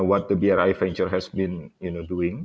apa yang bri ventures telah lakukan